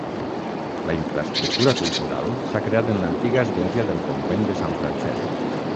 La infraestructura cultural s'ha creat en l'antiga església del Convent de Sant Francesc.